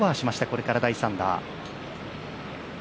これから第３打。